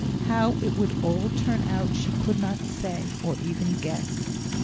How it would all turn out she could not say, or even guess.